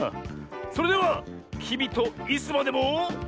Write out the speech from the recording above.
それでは「きみとイスまでも」。